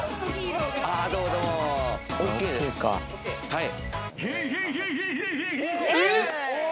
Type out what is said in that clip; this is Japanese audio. はい。